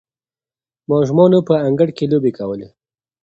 ماشومان په انګړ کې لوبې کولې.